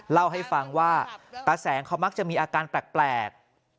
เล่าให้ฟังว่าตาแสงเขามักจะมีอาการแปลก